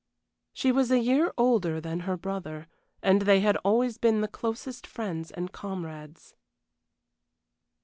She was a year older than her brother, and they had always been the closest friends and comrades.